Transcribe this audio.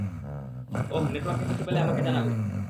ওই নেটওয়ার্কে কিছু পেলে আমাকে জানাবে।